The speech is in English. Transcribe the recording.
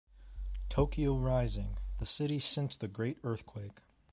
Tokyo Rising: The City Since the Great Earthquake.